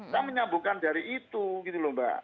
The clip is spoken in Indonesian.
saya menyambungkan dari itu gitu loh mbak